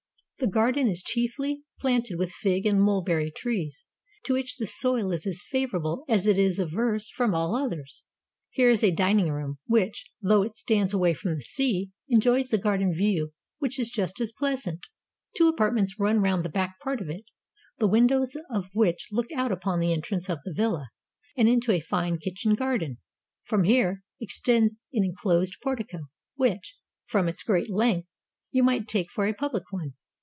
The garden is chiefly planted with fig and mulberry trees, to which this soil is as favorable as it is averse from all others. Here is a dining room, which, though it stands away from the sea, enjoys the garden view which is just as pleasant: two apartments run round the back part of it, the windows of which look out upon the entrance of the villa, and into a fine kitchen garden. From here extends an inclosed portico, which, from its great length, you might take for a public one.